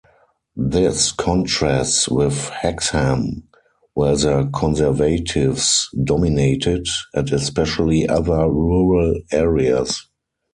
This contrasts with Hexham, where the Conservatives dominated, and especially other rural areas.